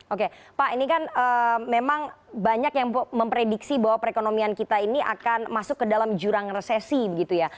oke pak ini kan memang banyak yang memprediksi bahwa perekonomian kita ini akan masuk ke dalam jurang resesi begitu ya